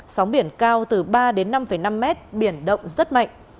sóng biển cao từ ba năm năm m biển động rất mạnh